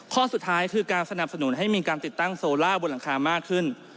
ข้อสุดท้ายคือการสนับสนุนให้มีการติดตั้งโซล่าบนหลังคามากขึ้น